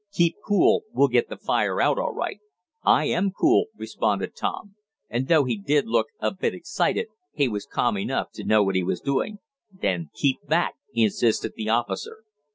Keep cool, we'll get the fire out all right." "I am cool," responded Tom, and, though he did look a bit excited, he was calm enough to know what he was doing. "Then keep back!" insisted the officer.